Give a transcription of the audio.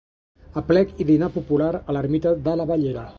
Aplec i dinar popular a l'Ermita de l'Abellera.